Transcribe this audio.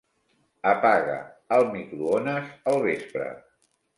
Apaga el microones al vespre.